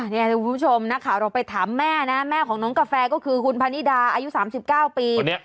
นี่คุณผู้ชมนักข่าวเราไปถามแม่นะแม่ของน้องกาแฟก็คือคุณพนิดาอายุ๓๙ปี